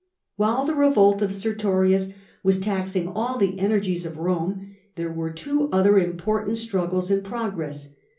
While the revolt of Sertorius was taxing all the energies of Rome, there were two other important struggles in progress.